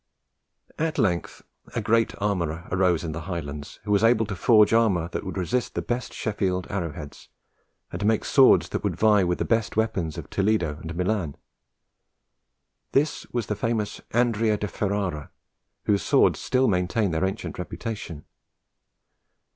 At length a great armourer arose in the Highlands, who was able to forge armour that would resist the best Sheffield arrow heads, and to make swords that would vie with the best weapons of Toledo and Milan. This was the famous Andrea de Ferrara, whose swords still maintain their ancient reputation.